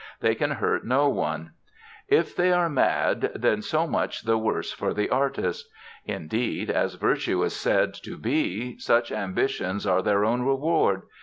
They can hurt no one. If they are mad, then so much the worse for the artist. Indeed, as virtue is said to be, such ambitions are their own reward.